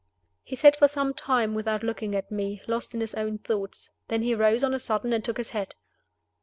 He sat for some time without looking at me, lost in his own thoughts. Then he rose on a sudden and took his hat.